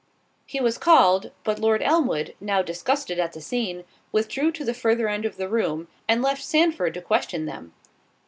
He was called; but Lord Elmwood, now disgusted at the scene, withdrew to the further end of the room, and left Sandford to question them.